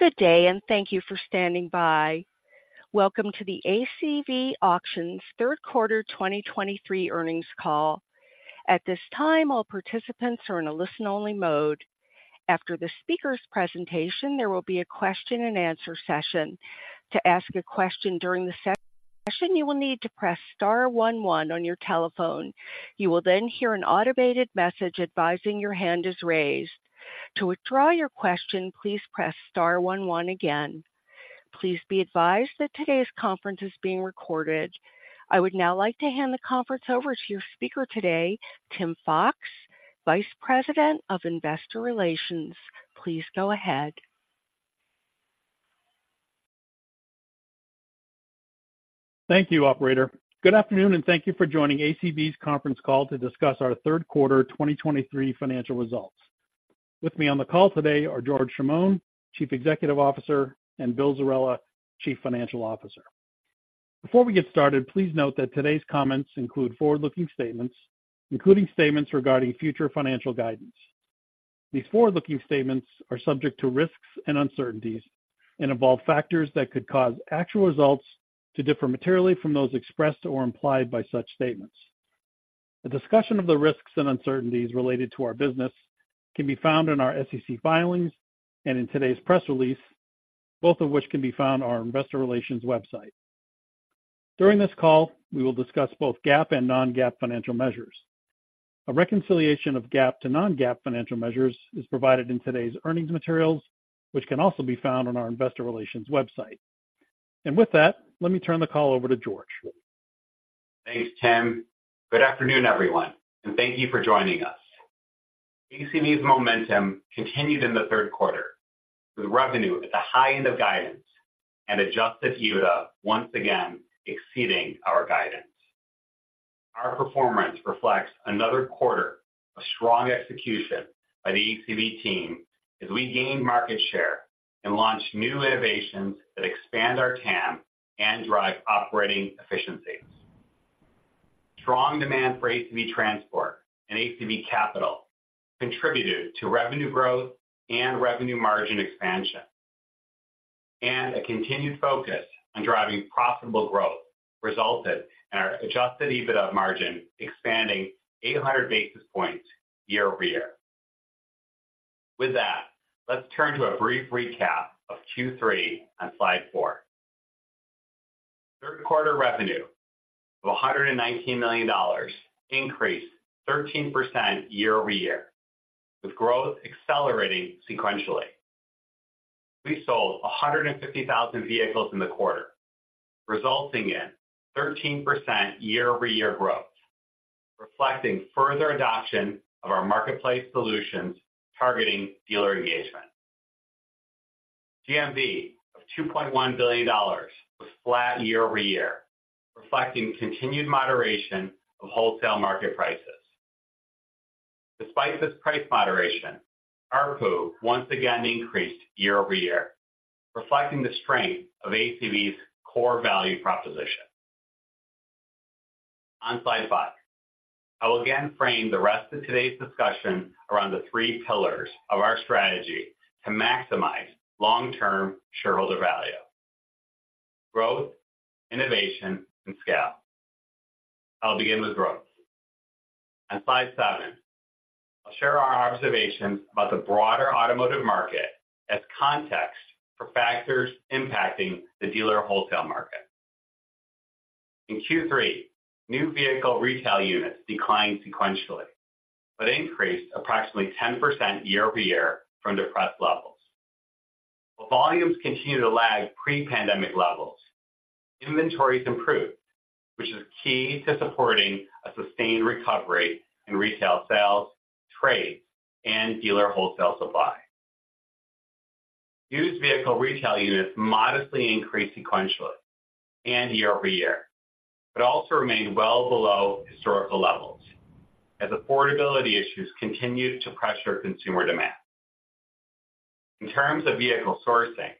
Good day, and thank you for standing by. Welcome to the ACV Auctions third quarter 2023 earnings call. At this time, all participants are in a listen-only mode. After the speaker's presentation, there will be a question-and-answer session. To ask a question during the session, you will need to press star one one on your telephone. You will then hear an automated message advising your hand is raised. To withdraw your question, please press star one one again. Please be advised that today's conference is being recorded. I would now like to hand the conference over to your speaker today, Tim Fox, Vice President of Investor Relations. Please go ahead. Thank you, operator. Good afternoon, and thank you for joining ACV's conference call to discuss our third quarter 2023 financial results. With me on the call today are George Chamoun, Chief Executive Officer, and Bill Zerella, Chief Financial Officer. Before we get started, please note that today's comments include forward-looking statements, including statements regarding future financial guidance. These forward-looking statements are subject to risks and uncertainties and involve factors that could cause actual results to differ materially from those expressed or implied by such statements. A discussion of the risks and uncertainties related to our business can be found in our SEC filings and in today's press release, both of which can be found on our investor relations website. During this call, we will discuss both GAAP and non-GAAP financial measures. A reconciliation of GAAP to non-GAAP financial measures is provided in today's earnings materials, which can also be found on our investor relations website. With that, let me turn the call over to George. Thanks, Tim. Good afternoon, everyone, and thank you for joining us. ACV's momentum continued in the third quarter, with revenue at the high end of guidance and adjusted EBITDA once again exceeding our guidance. Our performance reflects another quarter of strong execution by the ACV team as we gain market share and launch new innovations that expand our TAM and drive operating efficiencies. Strong demand for ACV Transport and ACV Capital contributed to revenue growth and revenue margin expansion, and a continued focus on driving profitable growth resulted in our adjusted EBITDA margin expanding 800 basis points year-over-year. With that, let's turn to a brief recap of Q3 on slide 4. Third quarter revenue of $119 million increased 13% year-over-year, with growth accelerating sequentially. We sold 150,000 vehicles in the quarter, resulting in 13% year-over-year growth, reflecting further adoption of our marketplace solutions targeting dealer engagement. GMV of $2.1 billion was flat year over year, reflecting continued moderation of wholesale market prices. Despite this price moderation, ARPU once again increased year over year, reflecting the strength of ACV's core value proposition. On slide five, I will again frame the rest of today's discussion around the three pillars of our strategy to maximize long-term shareholder value: growth, innovation, and scale. I'll begin with growth. On slide seven, I'll share our observations about the broader automotive market as context for factors impacting the dealer wholesale market. In Q3, new vehicle retail units declined sequentially, but increased approximately 10% year-over-year from depressed levels. While volumes continue to lag pre-pandemic levels, inventories improved, which is key to supporting a sustained recovery in retail sales, trades, and dealer wholesale supply. Used vehicle retail units modestly increased sequentially and year-over-year, but also remained well below historical levels as affordability issues continued to pressure consumer demand. In terms of vehicle sourcing,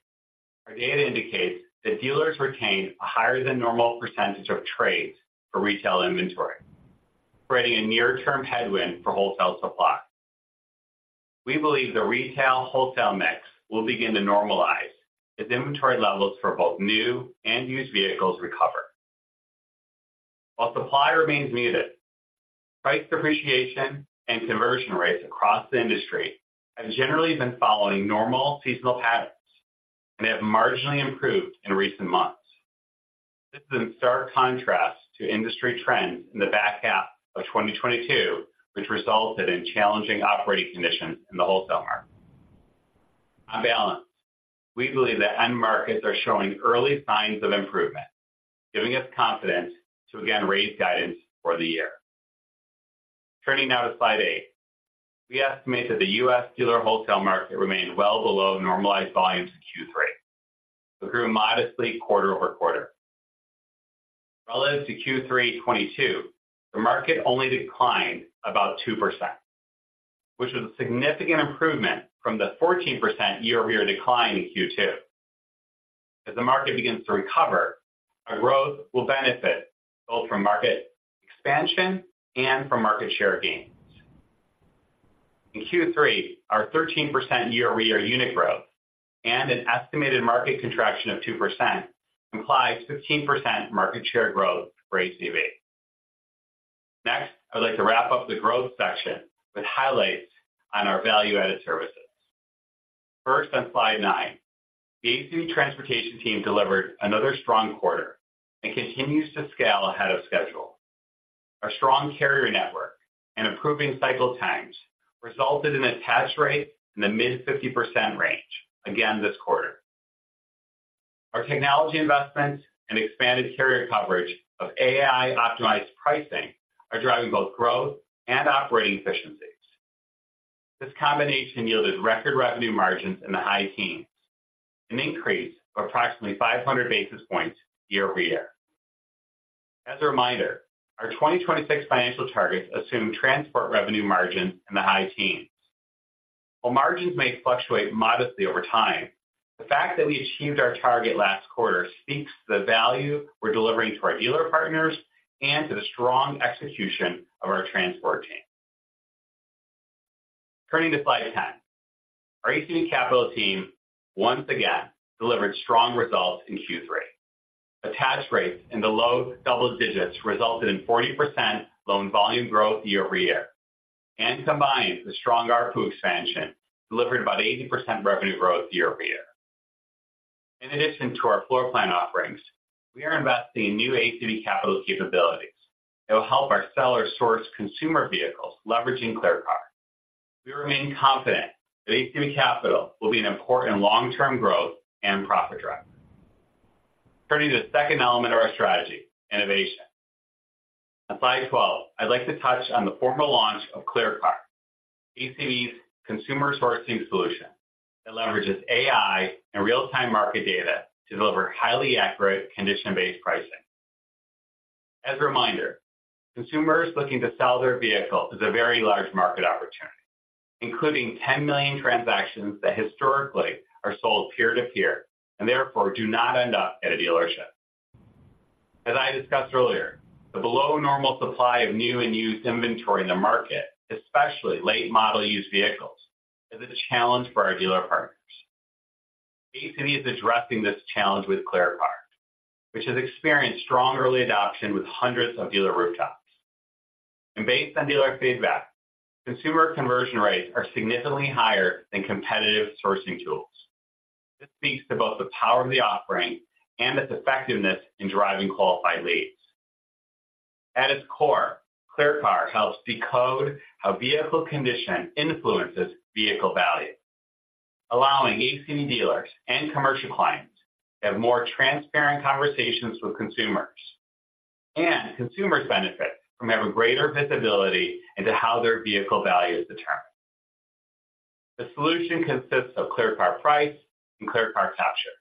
our data indicates that dealers retained a higher than normal percentage of trades for retail inventory, creating a near-term headwind for wholesale supply. We believe the retail wholesale mix will begin to normalize as inventory levels for both new and used vehicles recover. While supply remains muted, price appreciation and conversion rates across the industry have generally been following normal seasonal patterns and have marginally improved in recent months. This is in stark contrast to industry trends in the back half of 2022, which resulted in challenging operating conditions in the wholesale market. On balance, we believe the end markets are showing early signs of improvement, giving us confidence to again raise guidance for the year. Turning now to slide eight. We estimate that the U.S. dealer wholesale market remained well below normalized volumes in Q3, but grew modestly quarter-over-quarter. Relative to Q3 2022, the market only declined about 2%, which was a significant improvement from the 14% year-over-year decline in Q2.... As the market begins to recover, our growth will benefit both from market expansion and from market share gains. In Q3, our 13% year-over-year unit growth and an estimated market contraction of 2% implies 15% market share growth for ACV. Next, I would like to wrap up the growth section with highlights on our value-added services. First, on slide nine, the ACV Transport team delivered another strong quarter and continues to scale ahead of schedule. Our strong carrier network and improving cycle times resulted in attach rate in the mid-50% range again this quarter. Our technology investments and expanded carrier coverage of AI-optimized pricing are driving both growth and operating efficiencies. This combination yielded record revenue margins in the high teens, an increase of approximately 500 basis points year-over-year. As a reminder, our 2026 financial targets assume transport revenue margins in the high teens. While margins may fluctuate modestly over time, the fact that we achieved our target last quarter speaks to the value we're delivering to our dealer partners and to the strong execution of our transport team. Turning to slide 10. Our ACV Capital team once again delivered strong results in Q3. Attach rates in the low double digits resulted in 40% loan volume growth year-over-year, and combined with strong ARPU expansion, delivered about 80% revenue growth year-over-year. In addition to our floor plan offerings, we are investing in new ACV Capital capabilities that will help our sellers source consumer vehicles, leveraging ClearCar. We remain confident that ACV Capital will be an important long-term growth and profit driver. Turning to the second element of our strategy, innovation. On slide 12, I'd like to touch on the formal launch of ClearCar, ACV's consumer sourcing solution that leverages AI and real-time market data to deliver highly accurate condition-based pricing. As a reminder, consumers looking to sell their vehicle is a very large market opportunity, including 10 million transactions that historically are sold peer-to-peer and therefore do not end up at a dealership. As I discussed earlier, the below-normal supply of new and used inventory in the market, especially late-model used vehicles, is a challenge for our dealer partners. ACV is addressing this challenge with ClearCar, which has experienced strong early adoption with hundreds of dealer rooftops. Based on dealer feedback, consumer conversion rates are significantly higher than competitive sourcing tools. This speaks to both the power of the offering and its effectiveness in driving qualified leads. At its core, ClearCar helps decode how vehicle condition influences vehicle value, allowing ACV dealers and commercial clients to have more transparent conversations with consumers. Consumers benefit from having greater visibility into how their vehicle value is determined. The solution consists of ClearCar Price and ClearCar Capture.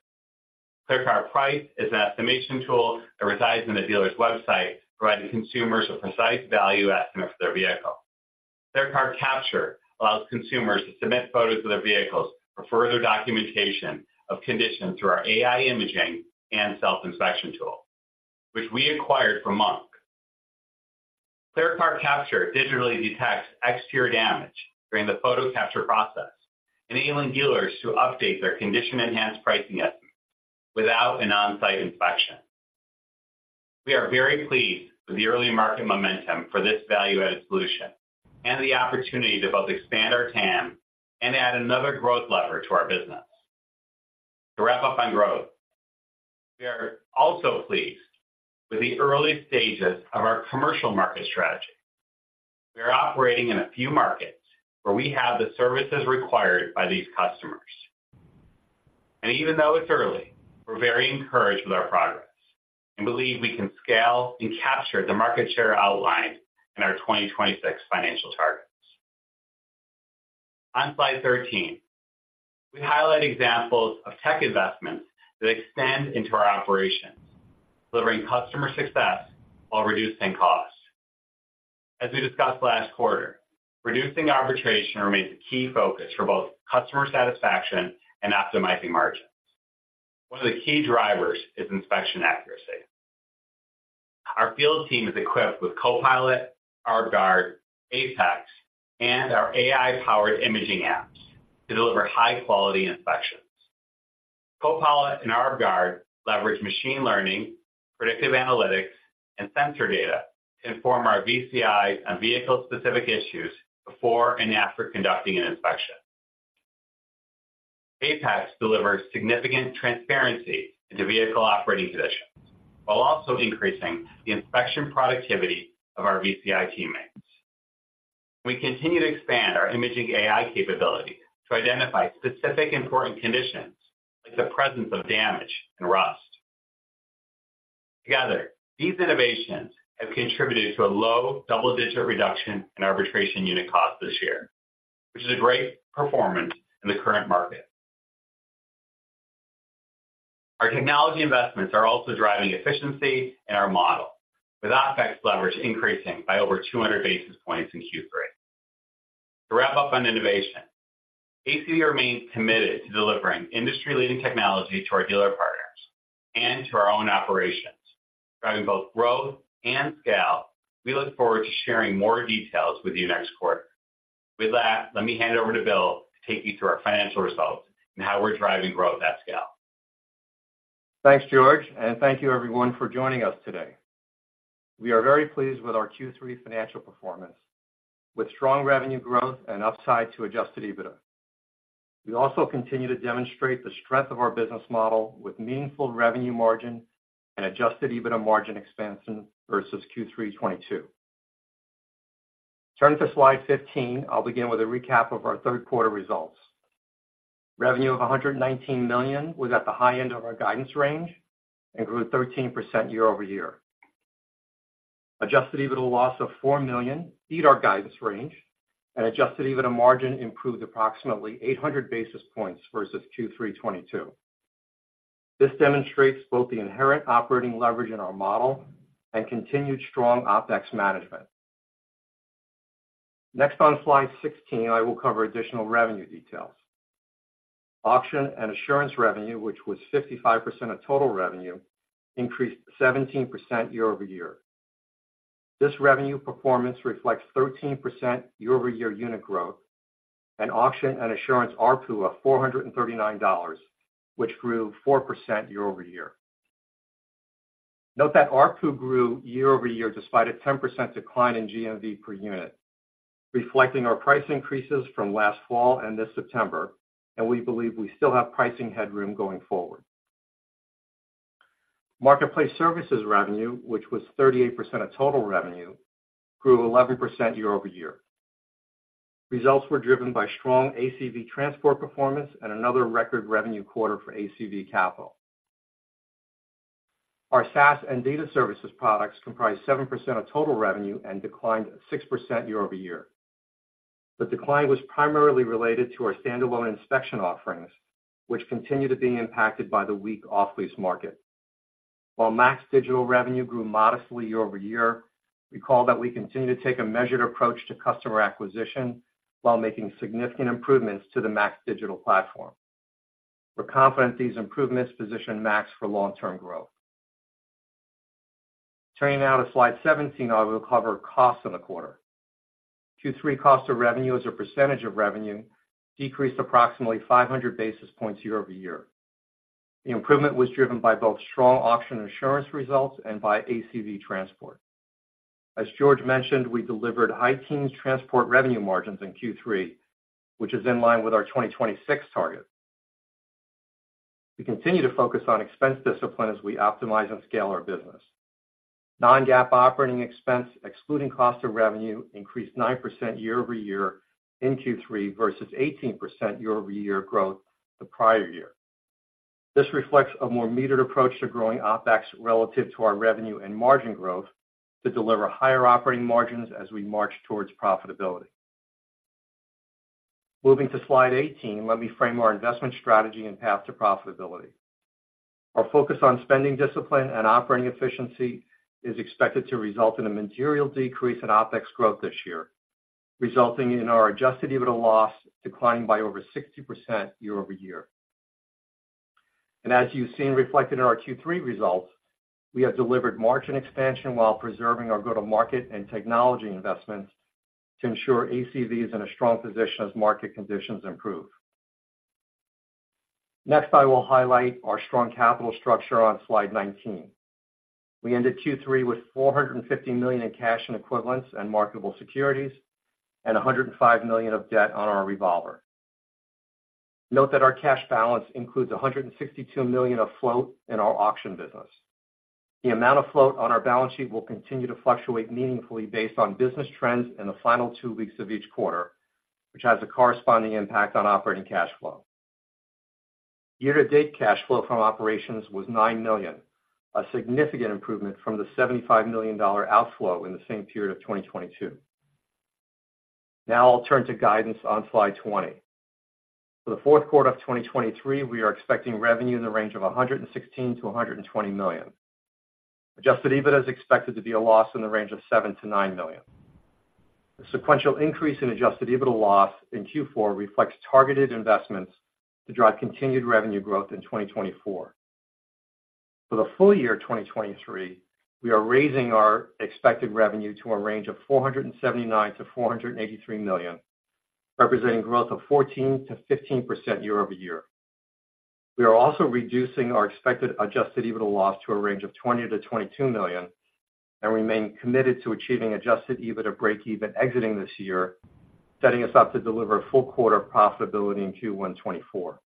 ClearCar Price is an estimation tool that resides in the dealer's website, providing consumers a precise value estimate for their vehicle. ClearCar Capture allows consumers to submit photos of their vehicles for further documentation of condition through our AI imaging and self-inspection tool, which we acquired from Monk. ClearCar Capture digitally detects exterior damage during the photo capture process, enabling dealers to update their condition-enhanced pricing estimate without an on-site inspection. We are very pleased with the early market momentum for this value-added solution and the opportunity to both expand our TAM and add another growth lever to our business. To wrap up on growth, we are also pleased with the early stages of our commercial market strategy. We are operating in a few markets where we have the services required by these customers. Even though it's early, we're very encouraged with our progress and believe we can scale and capture the market share outlined in our 2026 financial targets. On slide 13, we highlight examples of tech investments that extend into our operations, delivering customer success while reducing costs. As we discussed last quarter, reducing arbitration remains a key focus for both customer satisfaction and optimizing margins. One of the key drivers is inspection accuracy. Our field team is equipped with Co-Pilot, ArbGuard, APEX, and our AI-powered imaging apps to deliver high-quality inspections. Co-Pilot and ArbGuard leverage machine learning, predictive analytics, and sensor data to inform our VCIs on vehicle-specific issues before and after conducting an inspection. APEX delivers significant transparency into vehicle operating conditions, while also increasing the inspection productivity of our VCI teammates. We continue to expand our imaging AI capabilities to identify specific important conditions, like the presence of damage and rust. Together, these innovations have contributed to a low double-digit reduction in arbitration unit costs this year, which is a great performance in the current market. Our technology investments are also driving efficiency in our model, with APEX leverage increasing by over 200 basis points in Q3.... Up on innovation. ACV remains committed to delivering industry-leading technology to our dealer partners and to our own operations, driving both growth and scale. We look forward to sharing more details with you next quarter. With that, let me hand it over to Bill to take you through our financial results and how we're driving growth at scale. Thanks, George, and thank you everyone for joining us today. We are very pleased with our Q3 financial performance, with strong revenue growth and upside to adjusted EBITDA. We also continue to demonstrate the strength of our business model with meaningful revenue margin and adjusted EBITDA margin expansion versus Q3 2022. Turning to slide 15, I'll begin with a recap of our third quarter results. Revenue of $119 million was at the high end of our guidance range and grew 13% year over year. Adjusted EBITDA loss of $4 million beat our guidance range, and adjusted EBITDA margin improved approximately 800 basis points versus Q3 2022. This demonstrates both the inherent operating leverage in our model and continued strong OpEx management. Next, on slide 16, I will cover additional revenue details. Auction and assurance revenue, which was 55% of total revenue, increased 17% year-over-year. This revenue performance reflects 13% year-over-year unit growth and auction and assurance ARPU of $439, which grew 4% year-over-year. Note that ARPU grew year-over-year despite a 10% decline in GMV per unit, reflecting our price increases from last fall and this September, and we believe we still have pricing headroom going forward. Marketplace services revenue, which was 38% of total revenue, grew 11% year-over-year. Results were driven by strong ACV Transport performance and another record revenue quarter for ACV Capital. Our SaaS and data services products comprise 7% of total revenue and declined 6% year-over-year. The decline was primarily related to our standalone inspection offerings, which continue to be impacted by the weak off-lease market. While MAX Digital revenue grew modestly year-over-year, recall that we continue to take a measured approach to customer acquisition while making significant improvements to the MAX Digital platform. We're confident these improvements position MAX for long-term growth. Turning now to slide 17, I will cover costs in the quarter. Q3 cost of revenue as a percentage of revenue decreased approximately 500 basis points year-over-year. The improvement was driven by both strong auction and assurance results and by ACV Transport. As George mentioned, we delivered high teens transport revenue margins in Q3, which is in line with our 2026 target. We continue to focus on expense discipline as we optimize and scale our business. Non-GAAP operating expense, excluding cost of revenue, increased 9% year-over-year in Q3 versus 18% year-over-year growth the prior-year. This reflects a more metered approach to growing OpEx relative to our revenue and margin growth to deliver higher operating margins as we march towards profitability. Moving to slide 18, let me frame our investment strategy and path to profitability. Our focus on spending discipline and operating efficiency is expected to result in a material decrease in OpEx growth this year, resulting in our Adjusted EBITDA loss declining by over 60% year-over-year. As you've seen reflected in our Q3 results, we have delivered margin expansion while preserving our go-to-market and technology investments to ensure ACV is in a strong position as market conditions improve. Next, I will highlight our strong capital structure on slide 19. We ended Q3 with $450 million in cash and equivalents in marketable securities and $105 million of debt on our revolver. Note that our cash balance includes $162 million of float in our auction business. The amount of float on our balance sheet will continue to fluctuate meaningfully based on business trends in the final two weeks of each quarter, which has a corresponding impact on operating cash flow. Year-to-date cash flow from operations was $9 million, a significant improvement from the $75 million dollar outflow in the same period of 2022. Now I'll turn to guidance on slide 20. For the fourth quarter of 2023, we are expecting revenue in the range of $116 million-$120 million. Adjusted EBITDA is expected to be a loss in the range of $7 million-$9 million. The sequential increase in adjusted EBITDA loss in Q4 reflects targeted investments to drive continued revenue growth in 2024. For the full year of 2023, we are raising our expected revenue to a range of $479 million-$483 million, representing growth of 14%-15% year-over-year. We are also reducing our expected adjusted EBITDA loss to a range of $20 million-$22 million, and remain committed to achieving adjusted EBITDA breakeven exiting this year, setting us up to deliver a full quarter of profitability in Q1 2024.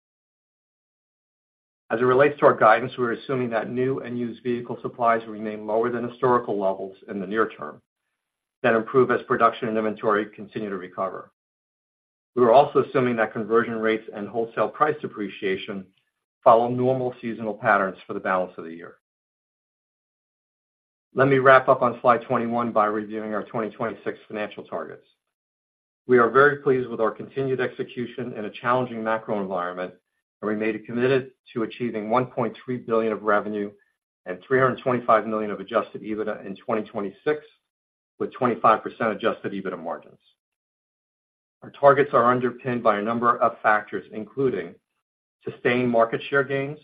As it relates to our guidance, we're assuming that new and used vehicle supplies remain lower than historical levels in the near term, then improve as production and inventory continue to recover. We are also assuming that conversion rates and wholesale price appreciation follow normal seasonal patterns for the balance of the year. Let me wrap up on slide 21 by reviewing our 2026 financial targets. We are very pleased with our continued execution in a challenging macro environment.... and we made it committed to achieving $1.3 billion of revenue and $325 million of Adjusted EBITDA in 2026, with 25% Adjusted EBITDA margins. Our targets are underpinned by a number of factors, including sustained market share gains,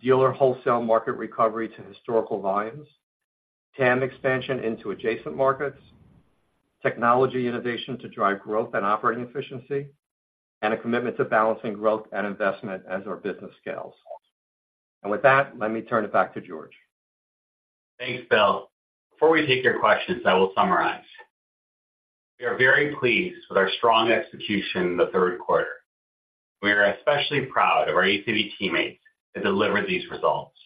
dealer wholesale market recovery to historical volumes, TAM expansion into adjacent markets, technology innovation to drive growth and operating efficiency, and a commitment to balancing growth and investment as our business scales. And with that, let me turn it back to George. Thanks, Bill. Before we take your questions, I will summarize. We are very pleased with our strong execution in the third quarter. We are especially proud of our ACV teammates that delivered these results.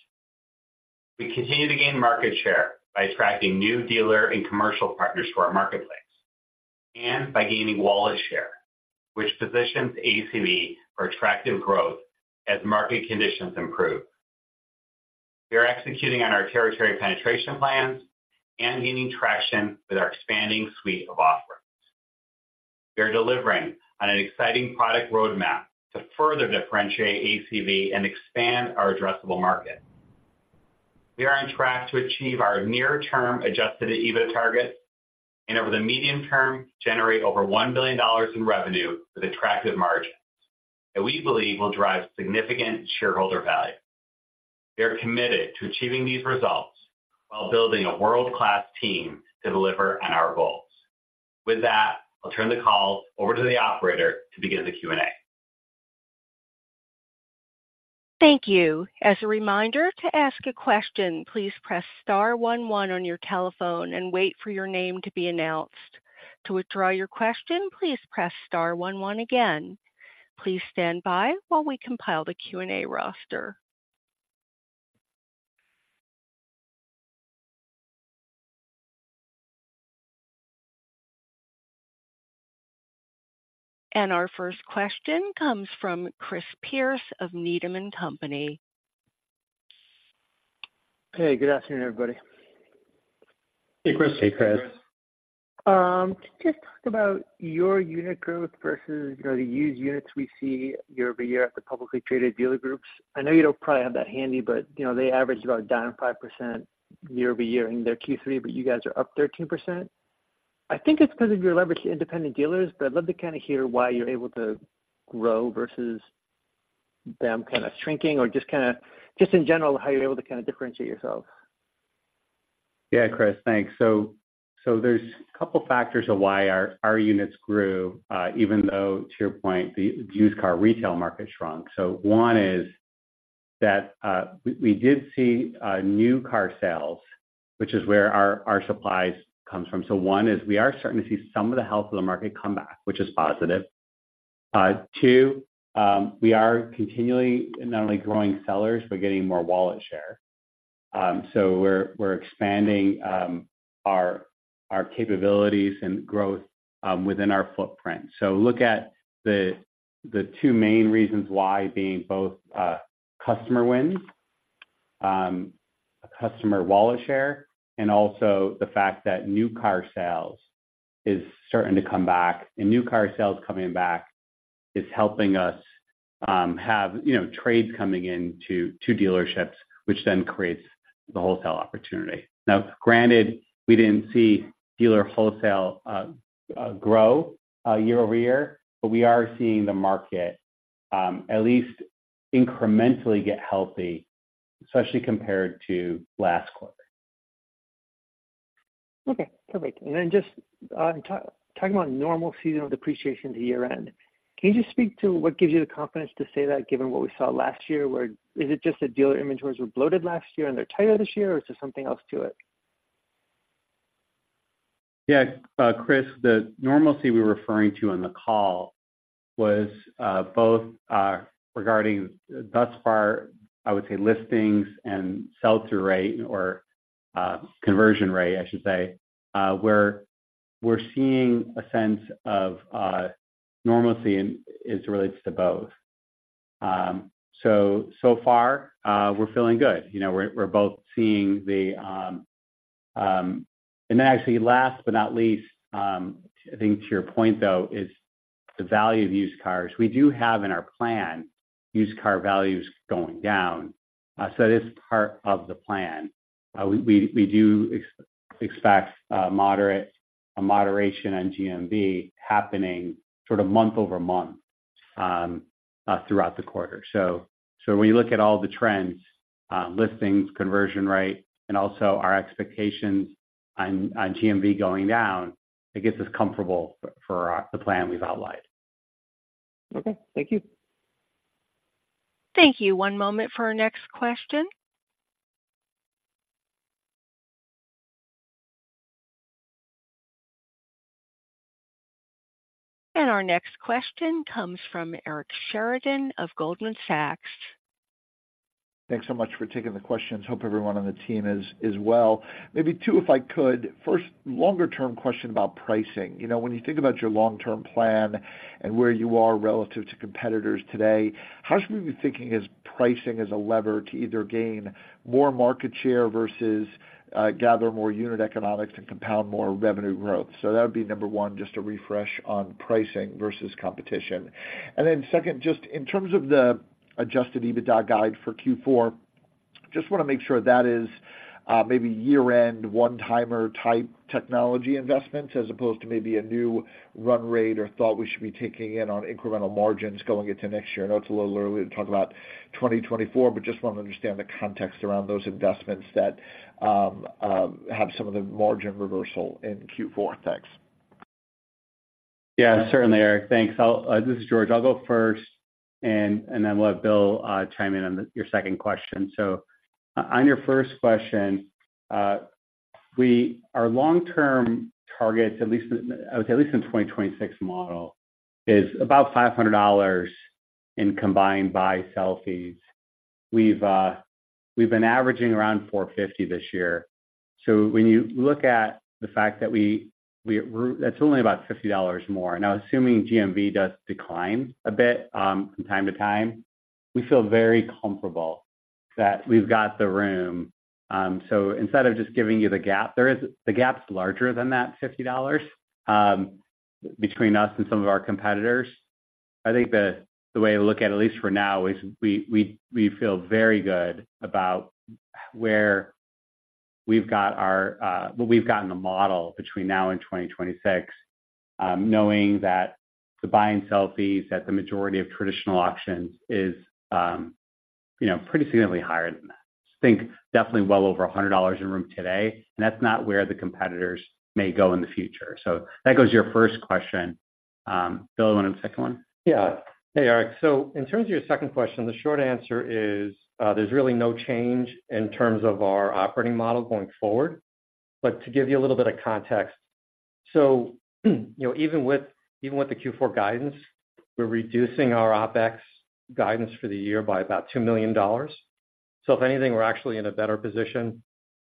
We continue to gain market share by attracting new dealer and commercial partners to our marketplace, and by gaining wallet share, which positions ACV for attractive growth as market conditions improve. We are executing on our territory penetration plans and gaining traction with our expanding suite of offerings. We are delivering on an exciting product roadmap to further differentiate ACV and expand our addressable market. We are on track to achieve our near-term Adjusted EBITDA targets and over the medium term, generate over $1 billion in revenue with attractive margins that we believe will drive significant shareholder value. We are committed to achieving these results while building a world-class team to deliver on our goals. With that, I'll turn the call over to the operator to begin the Q&A. Thank you. As a reminder, to ask a question, please press star one, one on your telephone and wait for your name to be announced. To withdraw your question, please press star one, one again. Please stand by while we compile the Q&A roster. Our first question comes from Chris Pierce of Needham & Company. Hey, good afternoon, everybody. Hey, Chris. Hey, Chris. Can you just talk about your unit growth versus, you know, the used units we see year-over-year at the publicly traded dealer groups? I know you don't probably have that handy, but, you know, they averaged about down 5% year-over-year in their Q3, but you guys are up 13%. I think it's because of your leverage to independent dealers, but I'd love to kind of hear why you're able to grow versus them kind of shrinking or just kind of, just in general, how you're able to kind of differentiate yourself. Yeah, Chris, thanks. So there's a couple factors of why our units grew even though, to your point, the used car retail market shrunk. So one is that we did see new car sales, which is where our supplies comes from. So one is we are starting to see some of the health of the market come back, which is positive. Two, we are continually not only growing sellers, but getting more wallet share. So we're expanding our capabilities and growth within our footprint. So look at the two main reasons why being both customer wins, customer wallet share, and also the fact that new car sales is starting to come back. New car sales coming back is helping us have, you know, trades coming in to dealerships, which then creates the wholesale opportunity. Now, granted, we didn't see dealer wholesale grow year-over-year, but we are seeing the market at least incrementally get healthy, especially compared to last quarter. Okay, perfect. And then just, talking about normal seasonal depreciation to year-end, can you just speak to what gives you the confidence to say that, given what we saw last year, where... Is it just that dealer inventories were bloated last year and they're tighter this year, or is there something else to it? Yeah, Chris, the normalcy we were referring to on the call was both regarding thus far, I would say, listings and sell-through rate or conversion rate, I should say, where we're seeing a sense of normalcy as it relates to both. So, so far, we're feeling good. You know, we're both seeing the... And then actually last but not least, I think to your point, though, is the value of used cars. We do have in our plan used car values going down. So that is part of the plan. We do expect moderate moderation on GMV happening sort of month-over-month throughout the quarter. When you look at all the trends, listings, conversion rate, and also our expectations on GMV going down, it gets us comfortable for the plan we've outlined. Okay, thank you. Thank you. One moment for our next question. Our next question comes from Eric Sheridan of Goldman Sachs. Thanks so much for taking the questions. Hope everyone on the team is well. Maybe two, if I could. First, longer-term question about pricing. You know, when you think about your long-term plan and where you are relative to competitors today, how should we be thinking as pricing as a lever to either gain more market share versus gather more unit economics and compound more revenue growth? So that would be number one, just a refresh on pricing versus competition. And then second, just in terms of the Adjusted EBITDA guide for Q4. Just want to make sure that is maybe year-end one-timer type technology investments, as opposed to maybe a new run rate or thought we should be taking in on incremental margins going into next year. I know it's a little early to talk about 2024, but just want to understand the context around those investments that have some of the margin reversal in Q4. Thanks. Yeah, certainly, Eric. Thanks. I'll this is George. I'll go first, and then we'll have Bill chime in on your second question. So on your first question, our long-term targets, at least, I would say at least in 2026 model, is about $500 in combined buy/sell fees. We've been averaging around $450 this year. So when you look at the fact that we're. That's only about $50 more. Now, assuming GMV does decline a bit from time to time, we feel very comfortable that we've got the room. So instead of just giving you the gap, there is - the gap's larger than that $50, between us and some of our competitors. I think the way to look at, at least for now, is we feel very good about where we've got our what we've got in the model between now and 2026, knowing that the buy and sell fees at the majority of traditional auctions is, you know, pretty significantly higher than that. Think definitely well over $100 in room today, and that's not where the competitors may go in the future. So that goes to your first question. Bill, you want the second one? Yeah. Hey, Eric. So in terms of your second question, the short answer is, there's really no change in terms of our operating model going forward. But to give you a little bit of context, so, you know, even with, even with the Q4 guidance, we're reducing our OpEx guidance for the year by about $2 million. So if anything, we're actually in a better position,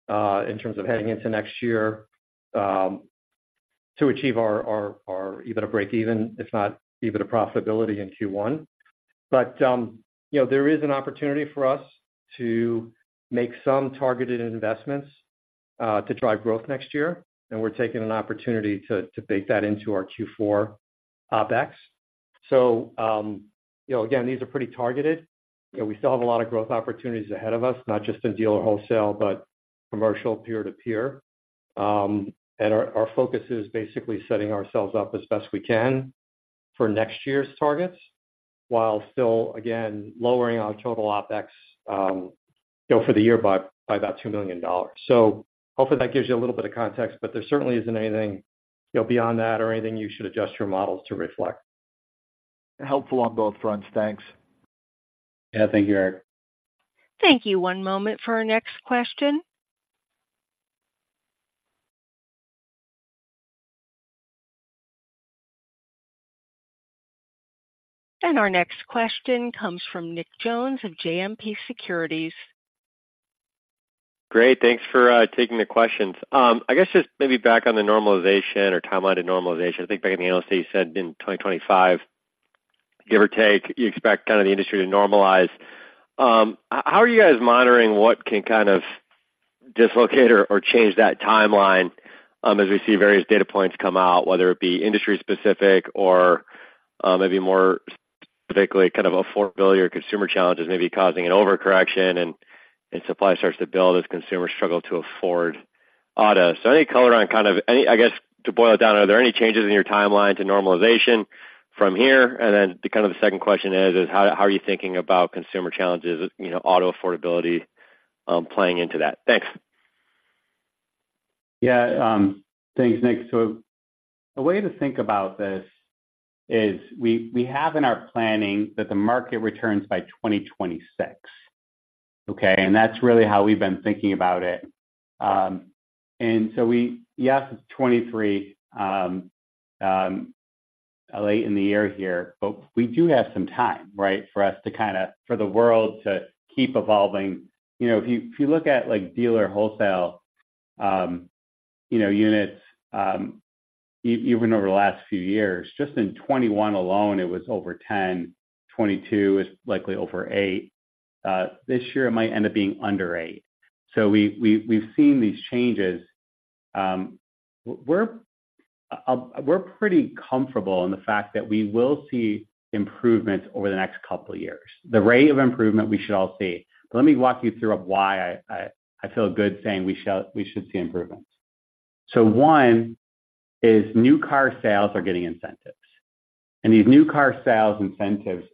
in terms of heading into next year, to achieve our, our, our EBITDA breakeven, if not EBITDA profitability in Q1. But, you know, there is an opportunity for us to make some targeted investments, to drive growth next year, and we're taking an opportunity to, to bake that into our Q4 OpEx. So, you know, again, these are pretty targeted. You know, we still have a lot of growth opportunities ahead of us, not just in dealer wholesale, but commercial, peer-to-peer. And our focus is basically setting ourselves up as best we can for next year's targets, while still, again, lowering our total OpEx, you know, for the year by about $2 million. So hopefully that gives you a little bit of context, but there certainly isn't anything, you know, beyond that or anything you should adjust your models to reflect. Helpful on both fronts. Thanks. Yeah. Thank you, Eric. Thank you. One moment for our next question. Our next question comes from Nick Jones of JMP Securities. Great. Thanks for taking the questions. I guess just maybe back on the normalization or timeline to normalization. I think back in the analyst day, you said in 2025, give or take, you expect kind of the industry to normalize. How are you guys monitoring what can kind of dislocate or change that timeline, as we see various data points come out, whether it be industry specific or maybe more specifically, kind of affordability or consumer challenges may be causing an overcorrection and supply starts to build as consumers struggle to afford auto? So any color on kind of any. I guess, to boil it down, are there any changes in your timeline to normalization from here? Then the kind of the second question is, how are you thinking about consumer challenges, you know, auto affordability, playing into that? Thanks. Yeah. Thanks, Nick. So a way to think about this is we have in our planning that the market returns by 2026, okay? And that's really how we've been thinking about it. And so we, yes, it's 2023, late in the year here, but we do have some time, right, for us to kind of... for the world to keep evolving. You know, if you look at, like, dealer wholesale, you know, units, even over the last few years, just in 2021 alone, it was over 10, 2022 is likely over eight. This year, it might end up being under eight. So we've seen these changes. We're pretty comfortable in the fact that we will see improvements over the next couple of years, the rate of improvement we should all see. But let me walk you through on why I feel good saying we should see improvements. So one is new car sales are getting incentives, and these new car sales incentives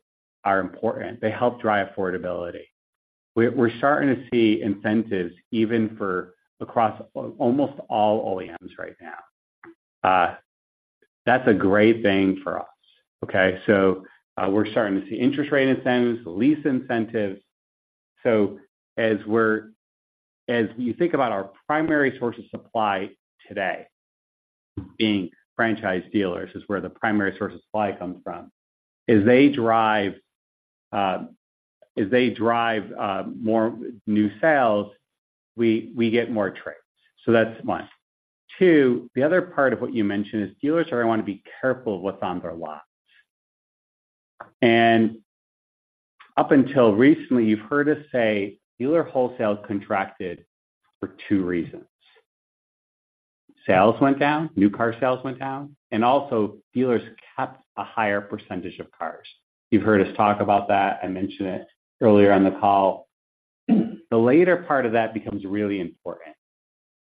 are important. They help drive affordability. We're starting to see incentives even for across almost all OEMs right now. That's a great thing for us, okay? So we're starting to see interest rate incentives, lease incentives. So as you think about our primary source of supply today, being franchise dealers, is where the primary source of supply comes from. As they drive, as they drive, more new sales, we get more trades. So that's one. Two, the other part of what you mentioned is dealers are going to want to be careful of what's on their lots. Up until recently, you've heard us say, dealer wholesale contracted for two reasons: sales went down, new car sales went down, and also dealers kept a higher percentage of cars. You've heard us talk about that. I mentioned it earlier on the call. The latter part of that becomes really important.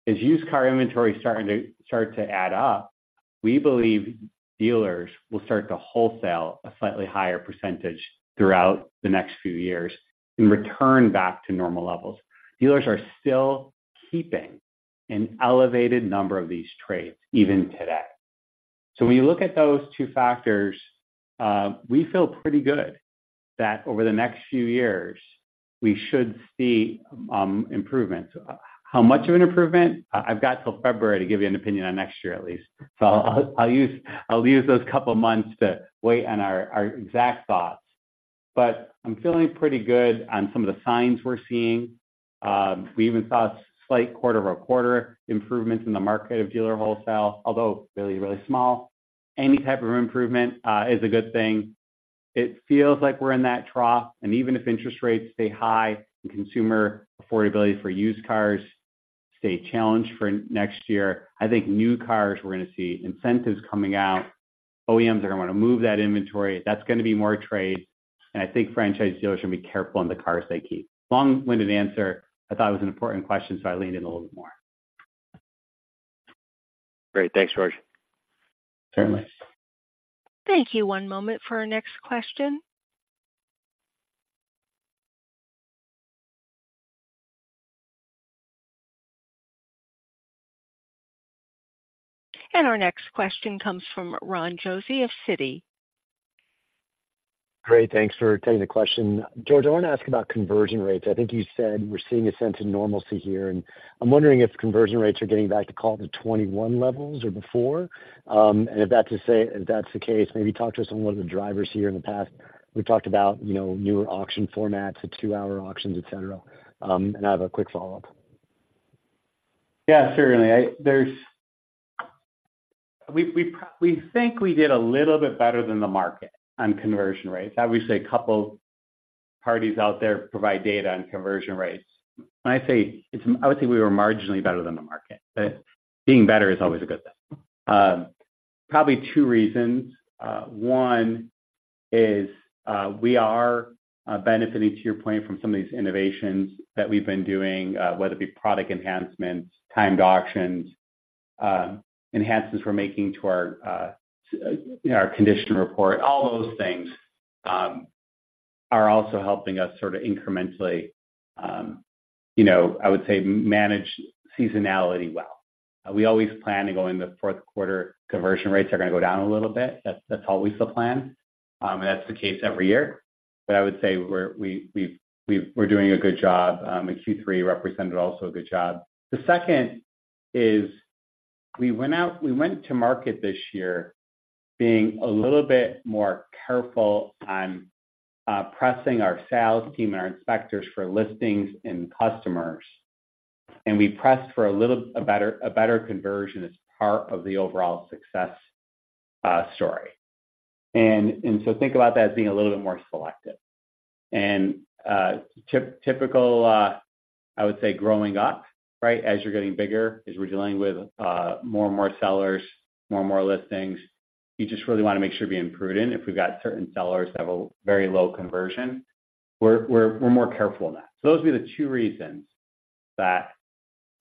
As used car inventory starts to add up, we believe dealers will start to wholesale a slightly higher percentage throughout the next few years and return back to normal levels. Dealers are still keeping an elevated number of these trades even today. So when you look at those two factors, we feel pretty good that over the next few years, we should see improvements. How much of an improvement? I've got till February to give you an opinion on next year, at least. So I'll use those couple of months to wait on our exact thoughts. But I'm feeling pretty good on some of the signs we're seeing. We even saw a slight quarter-over-quarter improvements in the market of dealer wholesale, although really, really small. Any type of improvement is a good thing. It feels like we're in that trough, and even if interest rates stay high and consumer affordability for used cars stay challenged for next year, I think new cars, we're going to see incentives coming out. OEMs are going to want to move that inventory. That's going to be more trade, and I think franchise dealers should be careful on the cars they keep. Long-winded answer, I thought it was an important question, so I leaned in a little bit more. Great. Thanks, George. Certainly. Thank you. One moment for our next question. Our next question comes from Ron Josey of Citi. Great, thanks for taking the question. George, I want to ask about conversion rates. I think you said we're seeing a sense of normalcy here, and I'm wondering if conversion rates are getting back to call it to 2021 levels or before? And if that's to say, if that's the case, maybe talk to us on one of the drivers here in the past. We've talked about, you know, newer auction formats to two-hour auctions, et cetera. And I have a quick follow-up. Yeah, certainly. We think we did a little bit better than the market on conversion rates. I would say a couple parties out there provide data on conversion rates. When I say it's, I would say we were marginally better than the market, but being better is always a good thing. Probably two reasons. One is, we are benefiting, to your point, from some of these innovations that we've been doing, whether it be product enhancements, timed auctions, enhances we're making to our, our condition report. All those things are also helping us sort of incrementally, you know, I would say, manage seasonality well. We always plan to go in the fourth quarter, conversion rates are going to go down a little bit. That's, that's always the plan, and that's the case every year. But I would say we're doing a good job. In Q3 represented also a good job. The second is we went to market this year being a little bit more careful on pressing our sales team and our inspectors for listings and customers, and we pressed for a better conversion as part of the overall success story. And so think about that as being a little bit more selective. And typical, I would say growing up, right, as you're getting bigger, is we're dealing with more and more sellers, more and more listings. You just really want to make sure we being prudent. If we've got certain sellers that have a very low conversion, we're more careful in that. So those would be the two reasons that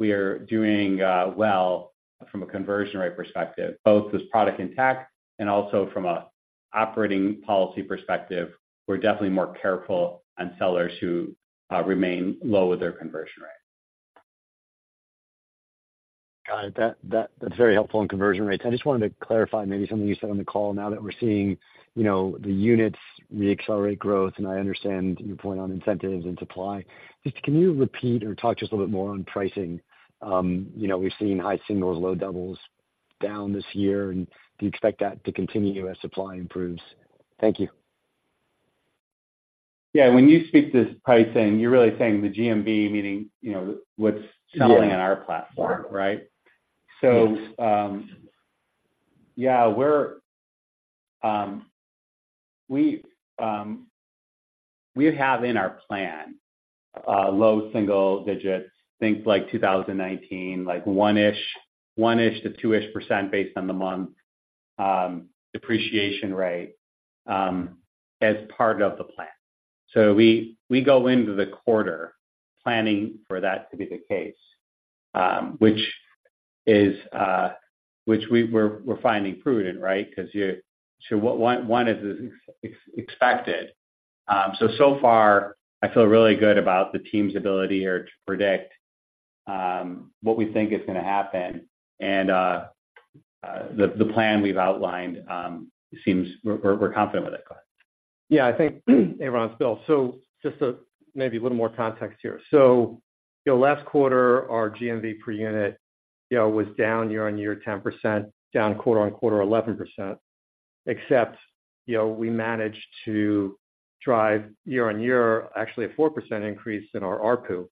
we are doing, well from a conversion rate perspective, both as product and tech, and also from a operating policy perspective, we're definitely more careful on sellers who remain low with their conversion rate. Got it. That's very helpful in conversion rates. I just wanted to clarify maybe something you said on the call. Now that we're seeing, you know, the units reaccelerate growth, and I understand your point on incentives and supply. Just can you repeat or talk just a little bit more on pricing? You know, we've seen high singles, low doubles down this year, and do you expect that to continue as supply improves? Thank you. Yeah. When you speak to pricing, you're really saying the GMV, meaning, you know, what's selling- on our platform, right? Yes. So, yeah, we're, we have in our plan, low single digits, things like 2019, like 1-ish%-2-ish% based on the month, depreciation rate, as part of the plan. So we go into the quarter planning for that to be the case, which is, which we're finding prudent, right? Because you so one is expected. So far, I feel really good about the team's ability here to predict what we think is going to happen. And the plan we've outlined seems we're confident with it. Yeah, I think. Hey, Ron, it's Bill. So just maybe a little more context here. So, you know, last quarter, our GMV per unit, you know, was down year-over-year 10%, down quarter-over-quarter 11%, except, you know, we managed to drive year-over-year actually a 4% increase in our ARPU.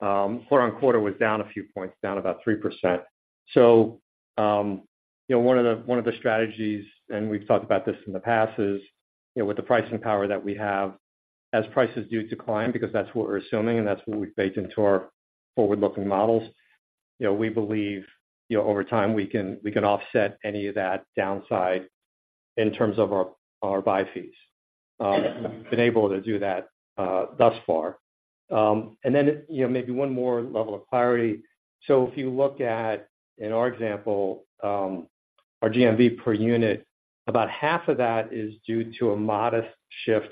Quarter-over-quarter was down a few points, down about 3%. So, you know, one of the strategies, and we've talked about this in the past, is, you know, with the pricing power that we have, as prices do decline, because that's what we're assuming, and that's what we've baked into our forward-looking models, you know, we believe, you know, over time, we can offset any of that downside in terms of our buy fees. Been able to do that thus far. And then, you know, maybe one more level of clarity. So if you look at, in our example, our GMV per unit, about half of that is due to a modest shift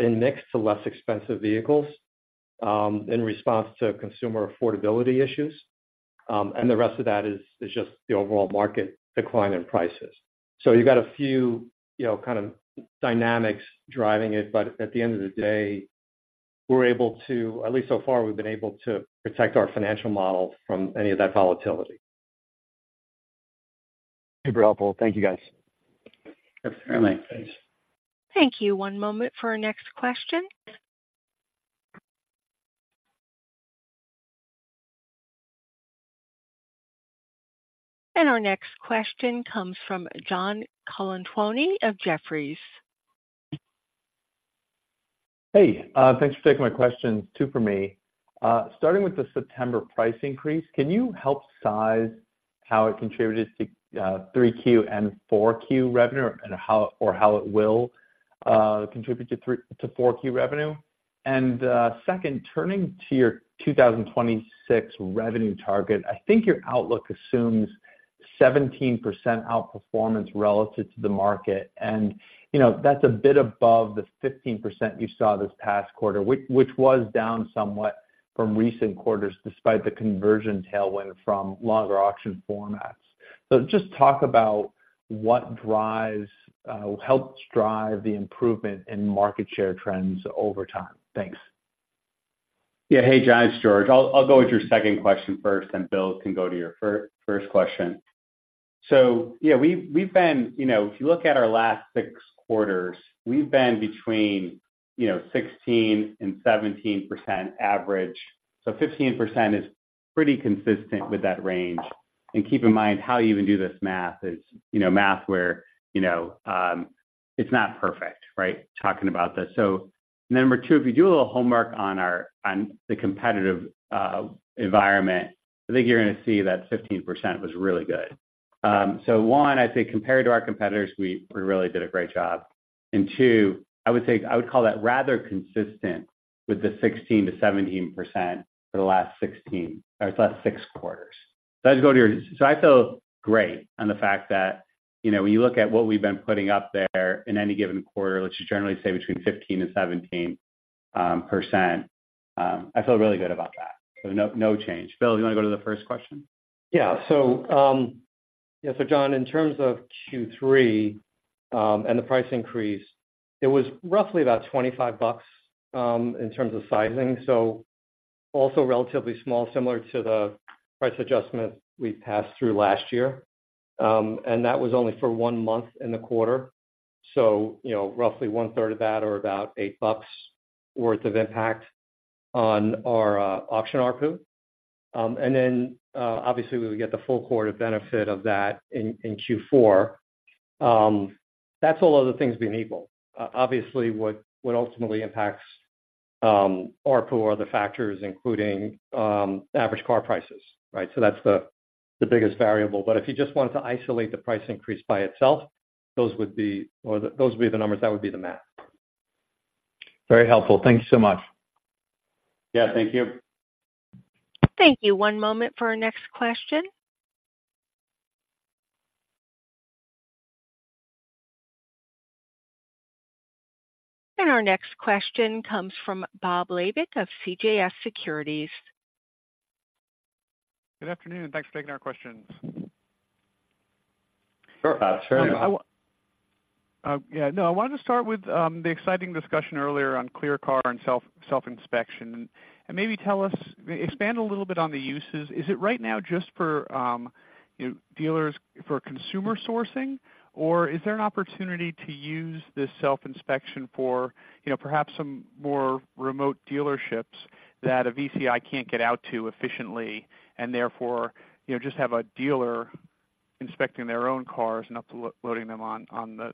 in mix to less expensive vehicles in response to consumer affordability issues. And the rest of that is just the overall market decline in prices. So you've got a few, you know, kind of dynamics driving it, but at the end of the day, we're able to... at least so far, we've been able to protect our financial model from any of that volatility. Super helpful. Thank you, guys. Absolutely. Thanks. Thank you. One moment for our next question. Our next question comes from John Colantuoni of Jefferies. Hey, thanks for taking my questions, two for me. Starting with the September price increase, can you help size how it contributed to 3Q and 4Q revenue and how it will contribute to 3Q-4Q revenue? And second, turning to your 2026 revenue target, I think your outlook assumes 17% outperformance relative to the market, and, you know, that's a bit above the 15% you saw this past quarter, which was down somewhat from recent quarters, despite the conversion tailwind from longer auction formats. So just talk about what drives, helps drive the improvement in market share trends over time. Thanks. Yeah. Hey, John, it's George. I'll go with your second question first, and Bill can go to your first question. So yeah, we've, we've been, you know, if you look at our last six quarters, we've been between, you know, 16% and 17% average. So 15% is pretty consistent with that range. And keep in mind, how you even do this math is, you know, math where, you know, it's not perfect, right? Talking about this. So number two, if you do a little homework on our, on the competitive environment, I think you're going to see that 15% was really good. So one, I think compared to our competitors, we, we really did a great job. And two, I would say, I would call that rather consistent with the 16%-17% for the last 16, or it's last six quarters. So let's go to your... So I feel great on the fact that, you know, when you look at what we've been putting up there in any given quarter, which is generally say between 15%-17%, I feel really good about that. So no, change. Bill, you want to go to the first question? Yeah. So, yeah, so John, in terms of Q3, and the price increase, it was roughly about $25, in terms of sizing. So also relatively small, similar to the price adjustment we passed through last year. And that was only for one month in the quarter. So, you know, roughly one-third of that or about $8 worth of impact on our auction ARPU. And then, obviously, we would get the full quarter benefit of that in Q4. That's all other things being equal. Obviously, what ultimately impacts ARPU are the factors, including average car prices, right? So that's the biggest variable. But if you just wanted to isolate the price increase by itself, those would be, or those would be the numbers, that would be the math. Very helpful. Thank you so much. Yeah, thank you. Thank you. One moment for our next question. Our next question comes from Bob Labick of CJS Securities. Good afternoon, thanks for taking our questions. Sure, Bob. Sure. Yeah, no, I wanted to start with the exciting discussion earlier on ClearCar and self-inspection. And maybe tell us, expand a little bit on the uses. Is it right now just for, you know, dealers for consumer sourcing, or is there an opportunity to use this self-inspection for, you know, perhaps some more remote dealerships that a VCI can't get out to efficiently and therefore, you know, just have a dealer inspecting their own cars and uploading them on the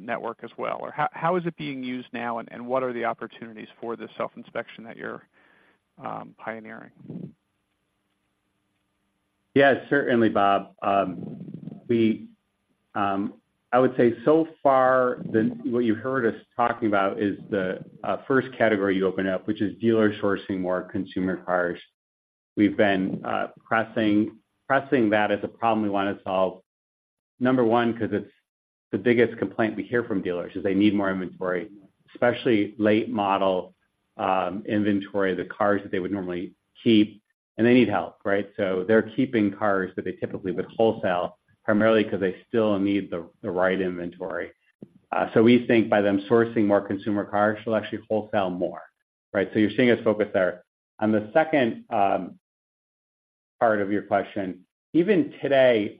network as well? Or how is it being used now, and what are the opportunities for this self-inspection that you're pioneering? Yeah, certainly, Bob. I would say so far, the what you heard us talking about is the first category you open up, which is dealer sourcing more consumer cars. We've been pressing that as a problem we want to solve. Number one, because it's the biggest complaint we hear from dealers, is they need more inventory, especially late model inventory, the cars that they would normally keep, and they need help, right? So they're keeping cars that they typically would wholesale primarily because they still need the right inventory. So we think by them sourcing more consumer cars, they'll actually wholesale more, right? So you're seeing us focus there. On the second part of your question, even today,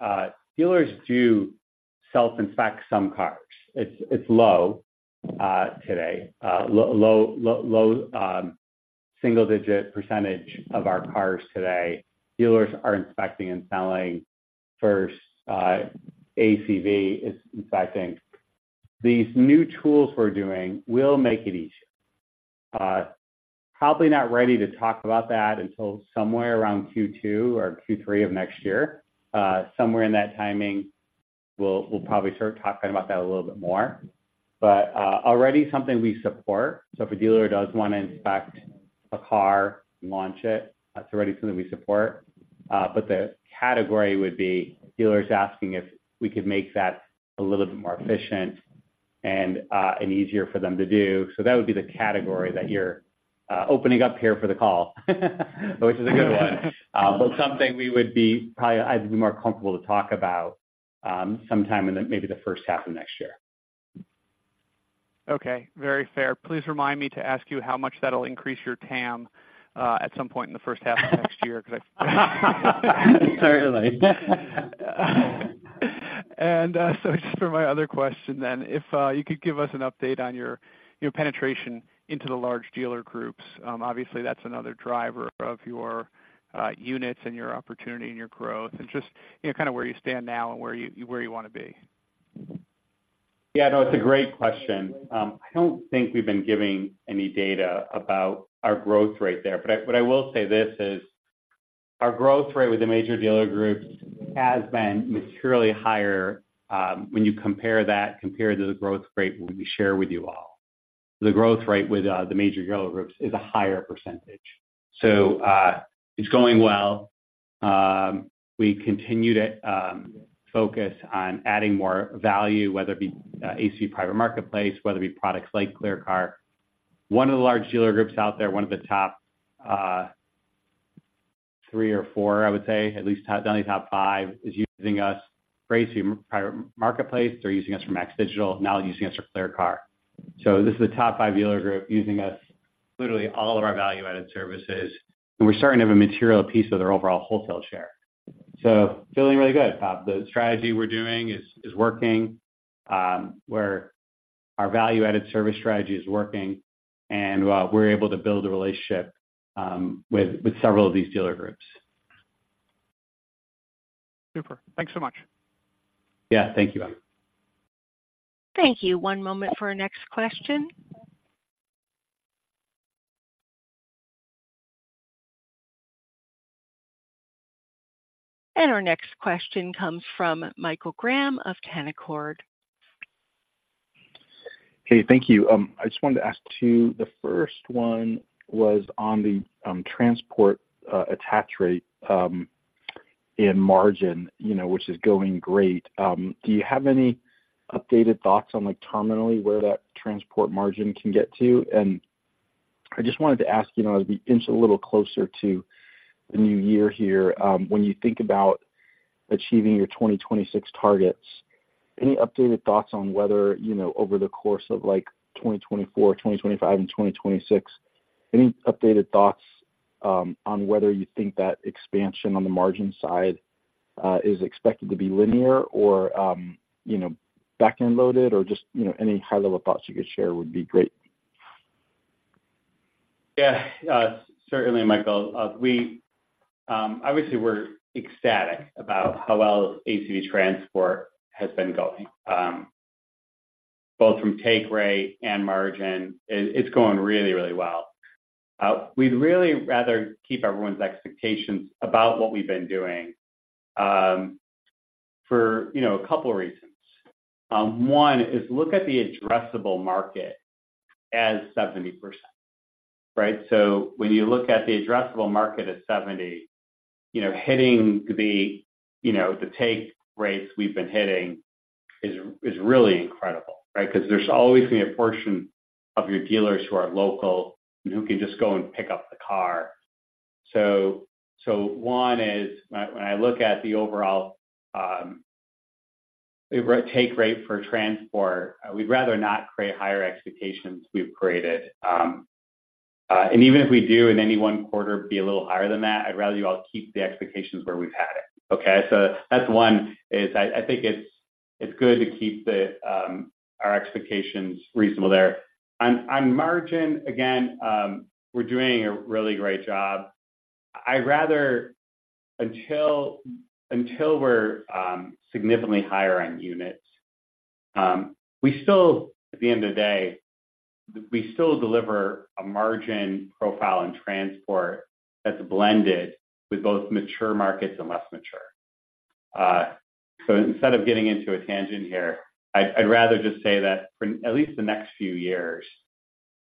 dealers do self-inspect some cars. It's low today. Single-digit % of our cars today, dealers are inspecting and selling first, ACV is inspecting. These new tools we're doing will make it easier. Probably not ready to talk about that until somewhere around Q2 or Q3 of next year. Somewhere in that timing, we'll probably start talking about that a little bit more. But already something we support. So if a dealer does wanna inspect a car and launch it, that's already something we support. But the category would be dealers asking if we could make that a little bit more efficient and easier for them to do. So that would be the category that you're opening up here for the call, which is a good one. But something we would be probably, I'd be more comfortable to talk about sometime in maybe the first half of next year. Okay, very fair. Please remind me to ask you how much that'll increase your TAM at some point in the first half of next year, 'cause I- Certainly. So just for my other question then, if you could give us an update on your penetration into the large dealer groups. Obviously, that's another driver of your units and your opportunity and your growth, and just, you know, kind of where you stand now and where you wanna be. Yeah, no, it's a great question. I don't think we've been giving any data about our growth rate there, but I, but I will say this, is our growth rate with the major dealer groups has been materially higher, when you compare that compared to the growth rate we share with you all. The growth rate with the major dealer groups is a higher percentage. So, it's going well. We continue to focus on adding more value, whether it be ACV Private Marketplace, whether it be products like ClearCar. One of the large dealer groups out there, one of the top three or four, I would say, at least top - definitely top five, is using us for ACV Private Marketplace. They're using us for MAX Digital; now they're using us for ClearCar. So this is a top five dealer group using us, literally all of our value-added services, and we're starting to have a material piece of their overall wholesale share. Feeling really good, Bob. The strategy we're doing is working. Where our value-added service strategy is working, and we're able to build a relationship with several of these dealer groups. Super. Thanks so much. Yeah. Thank you, Bob. Thank you. One moment for our next question. Our next question comes from Michael Graham of Canaccord. Okay, thank you. I just wanted to ask two: the first one was on the transport attach rate and margin, you know, which is going great. Do you have any updated thoughts on, like, ultimately, where that transport margin can get to? And I just wanted to ask, you know, as we inch a little closer to the new year here, when you think about achieving your 2026 targets, any updated thoughts on whether, you know, over the course of, like, 2024, 2025 and 2026, any updated thoughts on whether you think that expansion on the margin side is expected to be linear or, you know, back-end loaded, or just, you know, any high-level thoughts you could share would be great. Yeah. Certainly, Michael, we obviously we're ecstatic about how well ACV Transport has been going. Both from take rate and margin, it's going really, really well. We'd really rather keep everyone's expectations about what we've been doing, for, you know, a couple reasons. One is, look at the addressable market as 70%, right? So when you look at the addressable market as 70, you know, hitting the, you know, the take rates we've been hitting is really incredible, right? Because there's always going to be a portion of your dealers who are local and who can just go and pick up the car. So one is, when I look at the overall take rate for transport, we'd rather not create higher expectations we've created. And even if we do in any one quarter, be a little higher than that, I'd rather you all keep the expectations where we've had it, okay? So that's one, is I think it's good to keep our expectations reasonable there. On margin, again, we're doing a really great job. I'd rather until we're significantly higher on units, we still, at the end of the day, we still deliver a margin profile and transport that's blended with both mature markets and less mature. So instead of getting into a tangent here, I'd rather just say that for at least the next few years,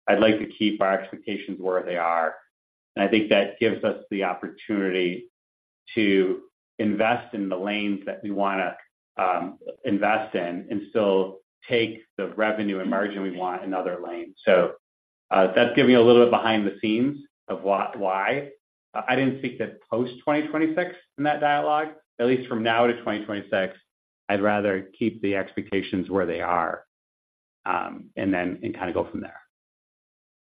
I'd like to keep our expectations where they are, and I think that gives us the opportunity to invest in the lanes that we wanna invest in and still take the revenue and margin we want in other lanes. So that's giving you a little bit behind the scenes of why I didn't seek to post 2026 in that dialogue. At least from now to 2026, I'd rather keep the expectations where they are, and then kind of go from there.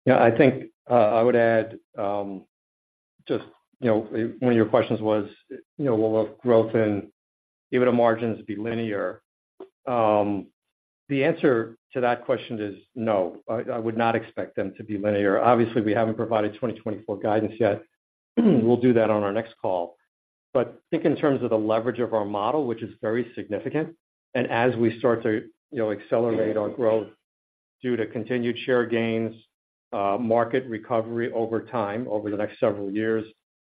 Yeah, I think I would add- Just, you know, one of your questions was, you know, will the growth in EBITDA margins be linear? The answer to that question is no. I would not expect them to be linear. Obviously, we haven't provided 2024 guidance yet. We'll do that on our next call. But think in terms of the leverage of our model, which is very significant, and as we start to, you know, accelerate our growth due to continued share gains, market recovery over time, over the next several years,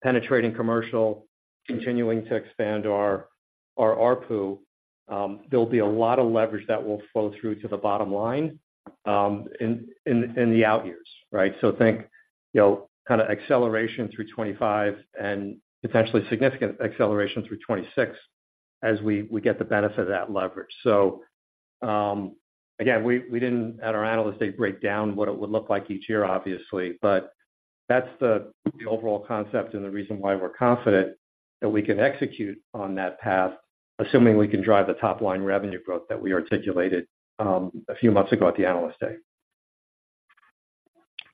penetrating commercial, continuing to expand our ARPU, there'll be a lot of leverage that will flow through to the bottom line, in the out years, right? So think, you know, kinda acceleration through 2025 and potentially significant acceleration through 2026 as we get the benefit of that leverage. Again, we didn't, at our Analyst Day, break down what it would look like each year, obviously, but that's the overall concept and the reason why we're confident that we can execute on that path, assuming we can drive the top-line revenue growth that we articulated a few months ago at the Analyst Day.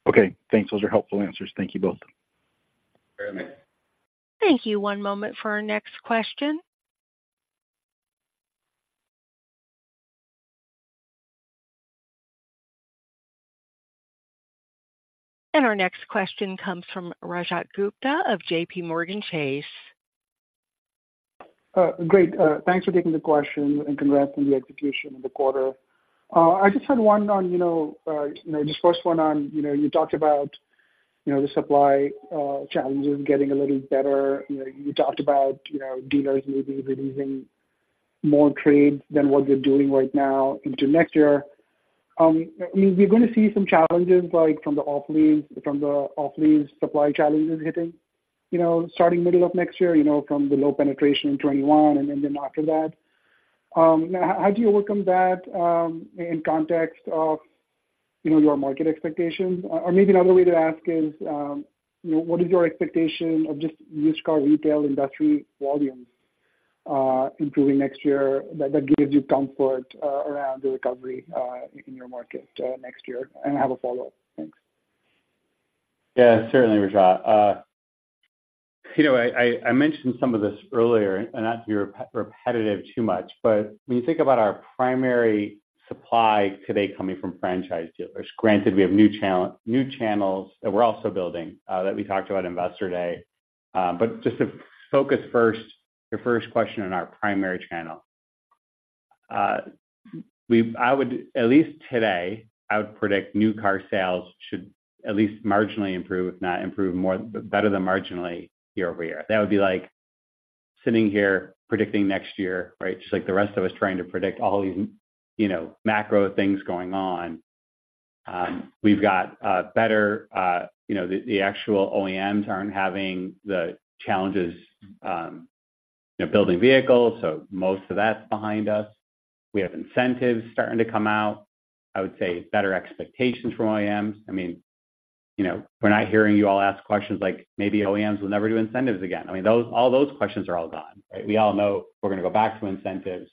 Okay, thanks. Those are helpful answers. Thank you both. Certainly. Thank you. One moment for our next question. Our next question comes from Rajat Gupta of JPMorgan Chase. Great. Thanks for taking the question, and congrats on the execution of the quarter. I just had one on, you know, just first one on, you know, you talked about, you know, the supply challenges getting a little better. You know, you talked about, you know, dealers maybe releasing more trades than what they're doing right now into next year. I mean, we're gonna see some challenges, like, from the off-lease, from the off-lease supply challenges hitting, you know, starting middle of next year, you know, from the low penetration in 2021 and then, then after that. How do you overcome that, in context of, you know, your market expectations? Or, maybe another way to ask is, you know, what is your expectation of just used car retail industry volumes improving next year that gives you comfort around the recovery in your market next year? And I have a follow-up. Thanks. Yeah, certainly, Rajat. You know, I mentioned some of this earlier, and not to be repetitive too much, but when you think about our primary supply today coming from franchise dealers, granted, we have new channels that we're also building, that we talked about in Investor Day. But just to focus first, your first question on our primary channel. I would, at least today, I would predict new car sales should at least marginally improve, if not improve more, better than marginally year-over-year. That would be like sitting here predicting next year, right? Just like the rest of us trying to predict all these, you know, macro things going on. We've got, you know, the actual OEMs aren't having the challenges, you know, building vehicles, so most of that's behind us. We have incentives starting to come out. I would say better expectations from OEMs. I mean, you know, we're not hearing you all ask questions like, "Maybe OEMs will never do incentives again." I mean, those, all those questions are all gone, right? We all know we're gonna go back to incentives.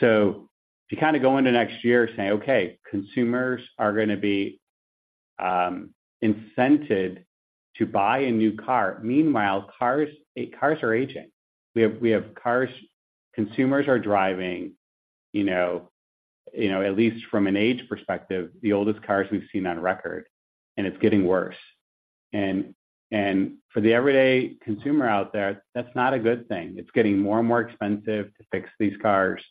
So to kind of go into next year saying, "Okay, consumers are gonna be incented to buy a new car." Meanwhile, cars, cars are aging. We have cars... Consumers are driving, you know, you know, at least from an age perspective, the oldest cars we've seen on record, and it's getting worse. And for the everyday consumer out there, that's not a good thing. It's getting more and more expensive to fix these cars.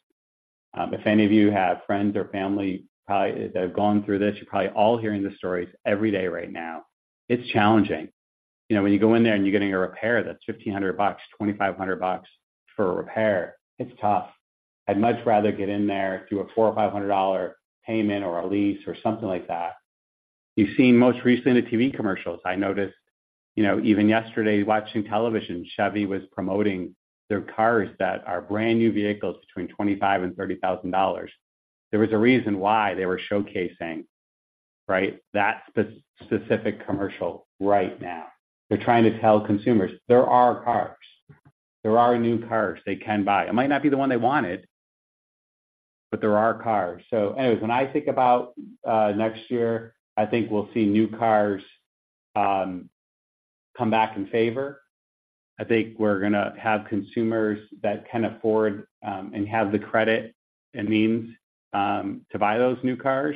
If any of you have friends or family, probably, that have gone through this, you're probably all hearing the stories every day right now. It's challenging. You know, when you go in there and you're getting a repair, that's $1,500, $2,500 for a repair, it's tough. I'd much rather get in there, do a $400 or $500 payment or a lease or something like that. You've seen most recently the TV commercials. I noticed, you know, even yesterday, watching television, Chevy was promoting their cars that are brand-new vehicles between $25,000 and $30,000. There was a reason why they were showcasing, right, that specific commercial right now. They're trying to tell consumers there are cars, there are new cars they can buy. It might not be the one they wanted, but there are cars. So anyways, when I think about next year, I think we'll see new cars come back in favor. I think we're gonna have consumers that can afford and have the credit and means to buy those new cars.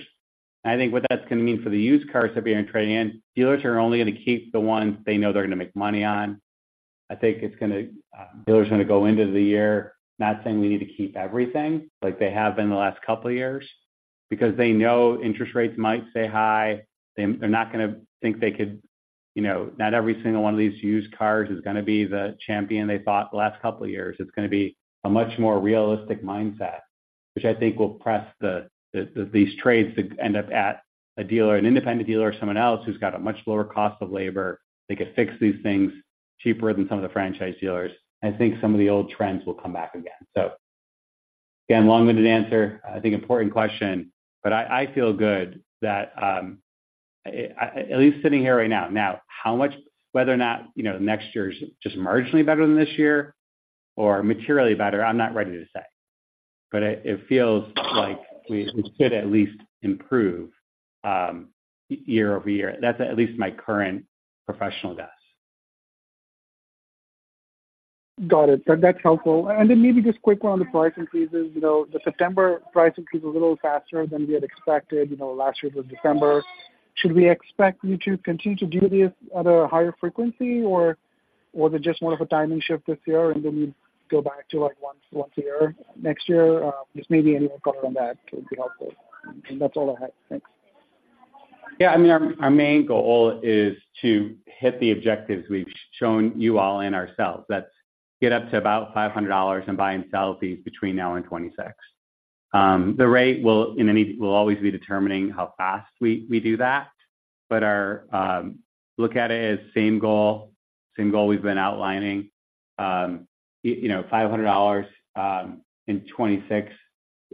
And I think what that's gonna mean for the used cars that they're trading in, dealers are only gonna keep the ones they know they're gonna make money on. I think it's gonna dealers are gonna go into the year not saying, "We need to keep everything," like they have been the last couple of years, because they know interest rates might stay high. They, they're not gonna think they could, you know, not every single one of these used cars is gonna be the champion they bought the last couple of years. It's gonna be a much more realistic mindset, which I think will press these trades to end up at a dealer, an independent dealer, or someone else who's got a much lower cost of labor. They could fix these things cheaper than some of the franchise dealers. I think some of the old trends will come back again. So again, long-winded answer, I think important question, but I, I feel good that at least sitting here right now. Now, how much, whether or not, you know, next year is just marginally better than this year or materially better, I'm not ready to say. But it, it feels like we, we should at least improve year over year. That's at least my current professional guess. Got it. That, that's helpful. And then maybe just quickly on the price increases. You know, the September price increase a little faster than we had expected, you know, last year was December. Should we expect you to continue to do this at a higher frequency, or was it just more of a timing shift this year, and then you go back to, like, once, once a year next year? Just maybe any more color on that would be helpful. And that's all I had. Thanks. Yeah, I mean, our main goal is to hit the objectives we've shown you all and ourselves. That's get up to about $500 and buy and sell fees between now and 2026. The rate will always be determining how fast we do that. But our look at it as same goal, same goal we've been outlining. You know, $500 in 2026,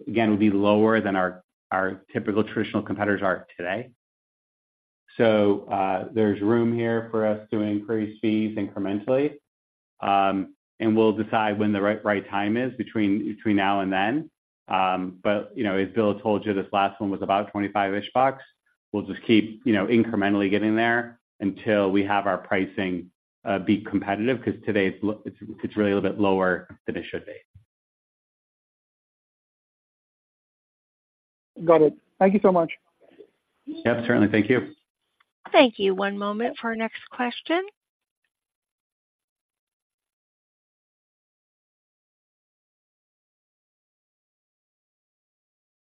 again, will be lower than our typical traditional competitors are today. So, there's room here for us to increase fees incrementally. And we'll decide when the right time is between now and then. But, you know, as Bill told you, this last one was about $25. We'll just keep, you know, incrementally getting there until we have our pricing be competitive, because today it's really a bit lower than it should be. Got it. Thank you so much. Yep, certainly. Thank you. Thank you. One moment for our next question.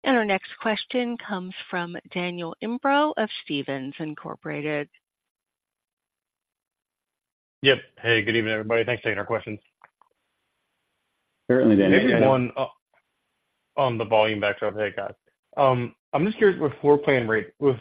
Our next question comes from Daniel Imbro of Stephens Incorporated. Yep. Hey, good evening, everybody. Thanks for taking our questions. Certainly, Daniel. One, on the volume backdrop. Hey, guys. I'm just curious, with floor plan rates this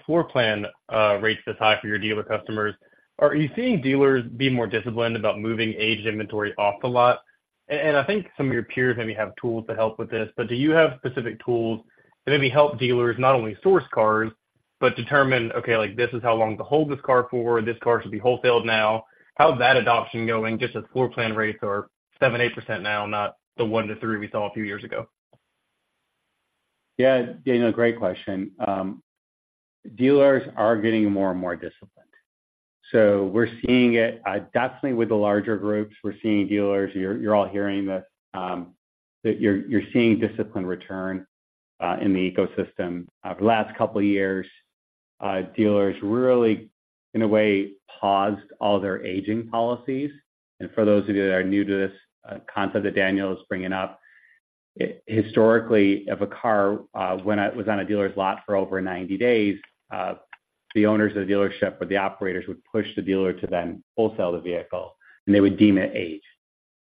high for your dealer customers, are you seeing dealers be more disciplined about moving aged inventory off the lot? And I think some of your peers maybe have tools to help with this, but do you have specific tools to maybe help dealers not only source cars, but determine, okay, like, this is how long to hold this car for, this car should be wholesaled now? How's that adoption going just as floor plan rates are 7%-8% now, not the 1%-3% we saw a few years ago? Yeah, Daniel, great question. Dealers are getting more and more disciplined. So we're seeing it, definitely with the larger groups. We're seeing dealers. You're all hearing this, that you're seeing discipline return in the ecosystem. For the last couple of years, dealers really, in a way, paused all their aging policies. And for those of you that are new to this concept that Daniel is bringing up, historically, if a car was on a dealer's lot for over 90 days, the owners of the dealership or the operators would push the dealer to then wholesale the vehicle, and they would deem it aged.